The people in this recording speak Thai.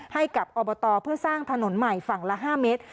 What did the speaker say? ให้กับอบตเพื่อสร้างถนนใหม่ฝั่งละ๕เมตร